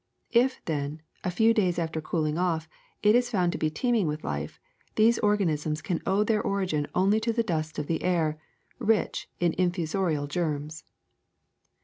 If, then, a few days after cooling off, it is found to be teeming with life, these organ isms can owe their origin only to the dust of the air, rich in infusorial germs.